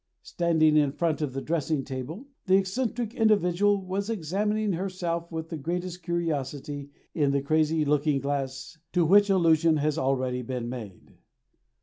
Standing in front of the dressing table, the eccentric individual was examining herself with the greatest curiosity in the crazy looking glass to which allusion has already been made.